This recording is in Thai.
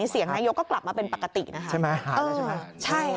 เสียงนายยกก็กลับมาเป็นปกติใช่ไหมหายแล้วใช่ไหม